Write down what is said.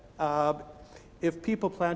jika orang memanfaatkan